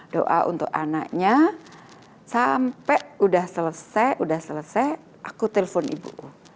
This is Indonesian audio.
doa untuk anaknya sampai udah selesai udah selesai aku telpon ibu